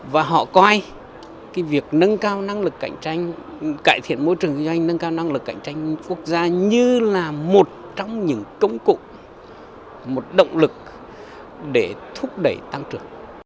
và họ coi việc cải thiện môi trường kinh doanh nâng cao năng lực cạnh tranh quốc gia như là một trong những công cụ một động lực để thúc đẩy tăng trưởng